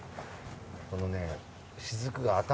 このね。